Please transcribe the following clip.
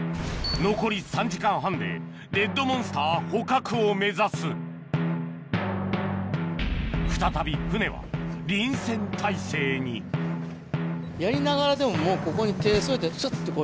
残り３時間半でレッドモンスター捕獲を目指す再び船はやりながらでももうここに手添えて。